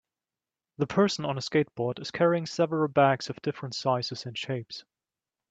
The person on a skateboard is carrying several bags of different sizes and shapes.